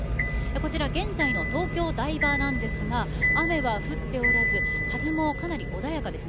こちら現在の東京・台場なんですが雨は降っておらず風もかなり穏やかです。